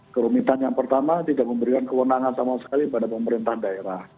kerumitan yang pertama tidak memberikan kewenangan sama sekali pada pemerintah daerah